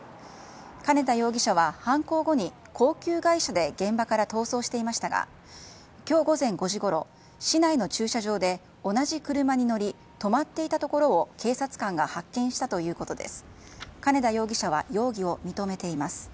金田容疑者は犯行後に高級外車で現場から逃走していましたが今日午前５時ごろ市内の駐車場で同じ車に乗り止まっていたところを警察官が発見したということです。